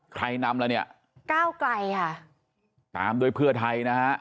ใครนำแล้วเนี่ยก้าวไกลค่ะตามด้วยเพื่อไทยนะฮะ